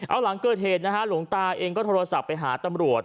เอาหลังเกิดเหตุนะฮะหลวงตาเองก็โทรศัพท์ไปหาตำรวจ